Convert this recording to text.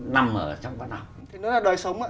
nằm ở trong văn học